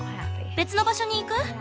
別の場所に行く？